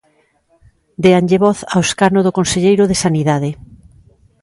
Déanlle voz ao escano do conselleiro de Sanidade.